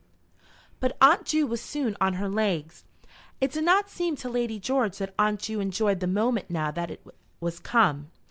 But Aunt Ju was soon on her legs. It did not seem to Lady George that Aunt Ju enjoyed the moment now that it was come.